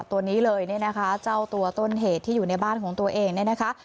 ตัวนี้เลยเนี่ยนะคะเจ้าตัวต้นเหตุที่อยู่ในบ้านของตัวเองเนี่ยนะคะ